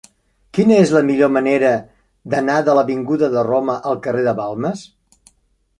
Quina és la millor manera d'anar de l'avinguda de Roma al carrer de Balmes?